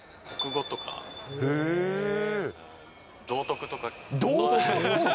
国語とか、道徳とか。